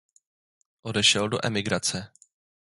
Odešel do emigrace.